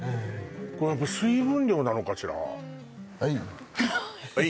これやっぱ水分量なのかしら